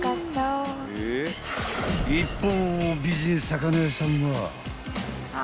［一方］